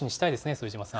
副島さん。